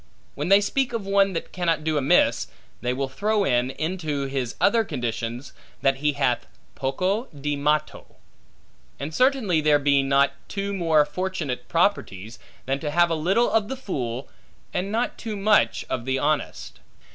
When they speak of one that cannot do amiss, they will throw in, into his other conditions, that he hath Poco di matto. And certainly there be not two more fortunate properties, than to have a little of the fool, and not too much of the honest.